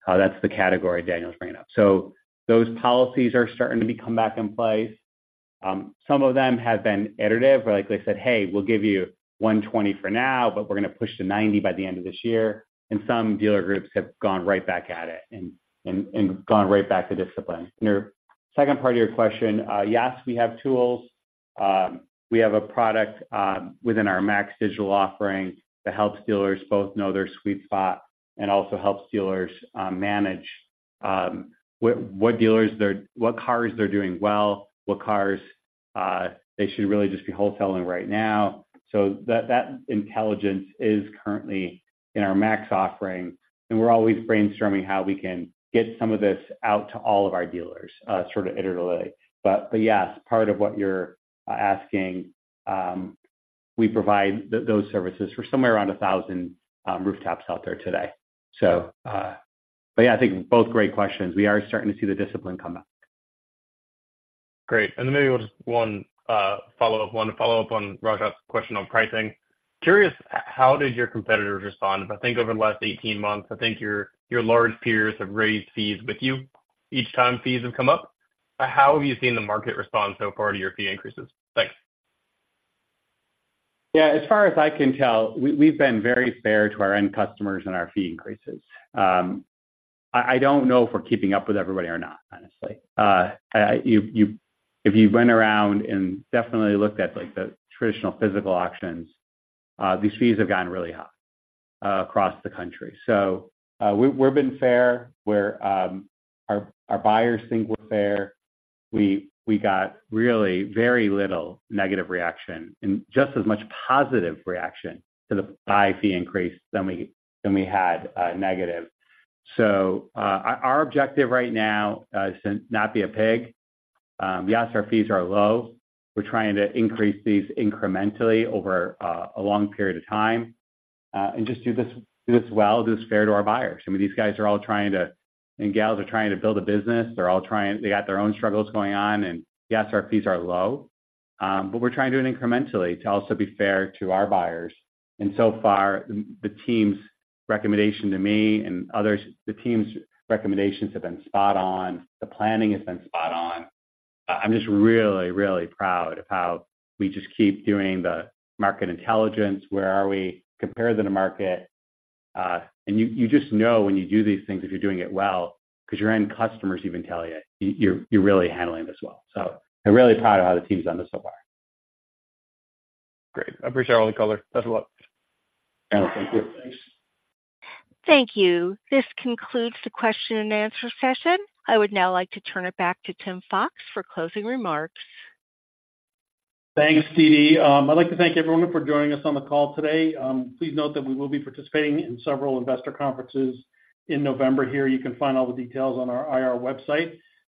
That's the category Daniel's bringing up. So those policies are starting to become back in place. Some of them have been iterative, where like they said, "Hey, we'll give you $120 for now, but we're going to push to $90 by the end of this year." Some dealer groups have gone right back at it and gone right back to discipline. Your second part of your question, yes, we have tools. We have a product within our MAX Digital offering that helps dealers both know their sweet spot and also helps dealers manage what cars they're doing well, what cars they should really just be wholesaling right now. So that intelligence is currently in our MAX offering, and we're always brainstorming how we can get some of this out to all of our dealers sort of iteratively. But yes, part of what you're asking, we provide those services for somewhere around 1,000 rooftops out there today. So, but yeah, I think both great questions. We are starting to see the discipline come back. Great. And then maybe just one follow-up on Raj's question on pricing. Curious, how did your competitors respond? I think over the last 18 months, I think your large peers have raised fees with you each time fees have come up. How have you seen the market respond so far to your fee increases? Thanks. Yeah, as far as I can tell, we've been very fair to our end customers on our fee increases. I don't know if we're keeping up with everybody or not, honestly. If you went around and definitely looked at, like, the traditional physical auctions, these fees have gotten really high across the country. So, we've been fair, where our buyers think we're fair. We got really very little negative reaction and just as much positive reaction to the buy fee increase than we had negative. So, our objective right now is to not be a pig. Yes, our fees are low. We're trying to increase these incrementally over a long period of time, and just do this fair to our buyers. I mean, these guys and gals are all trying to build a business. They're all trying. They got their own struggles going on, and yes, our fees are low, but we're trying to do it incrementally to also be fair to our buyers. And so far, the team's recommendations to me and others have been spot on. The planning has been spot on. I'm just really, really proud of how we just keep doing the market intelligence. Where are we? Compare them to market. And you just know when you do these things, if you're doing it well, because your end customers even tell you, you're really handling this well. So I'm really proud of how the team's done this so far. Great. I appreciate all the color. Thanks a lot. Daniel, thank you. Thanks. Thank you. This concludes the question and answer session. I would now like to turn it back to Tim Fox for closing remarks. Thanks, Dee Dee. I'd like to thank everyone for joining us on the call today. Please note that we will be participating in several investor conferences in November here. You can find all the details on our IR website.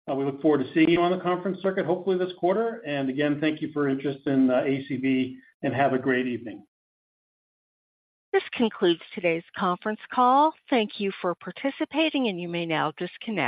We look forward to seeing you on the conference circuit, hopefully this quarter. And again, thank you for your interest in ACV, and have a great evening. This concludes today's conference call. Thank you for participating, and you may now disconnect.